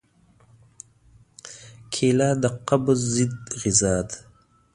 کېله د قبض ضد غذا ده.